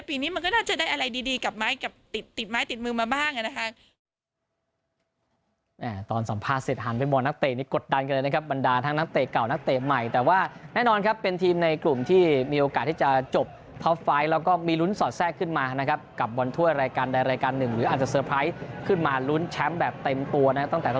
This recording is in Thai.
ปีนี้มันก็น่าจะได้อะไรดีกับติดม้ายติดมือมาบ้าง